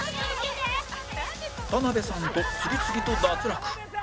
田辺さんと次々と脱落